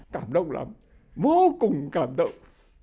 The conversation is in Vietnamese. cảm động lắm vô cùng cảm động